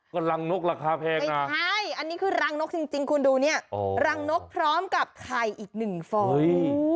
ก็รังนกราคาแพงนะคุณดูนี่อันนี้คือรังนกจริงรังนกพร้อมกับไข่อีกหนึ่งฟอร์ม